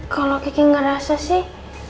kalau kiki ngerasa sih